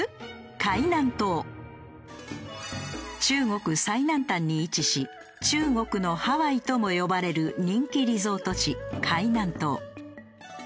中国最南端に位置し「中国のハワイ」とも呼ばれる人気リゾート地海南島。